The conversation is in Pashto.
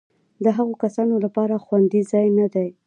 د هغو کسانو لپاره خوندي ځای نه دی.